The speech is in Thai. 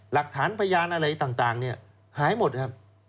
หลักฐานพยานอะไรต่างเนี่ยหายหมดครับ